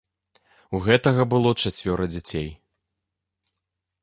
У гэтага было чацвёра дзяцей.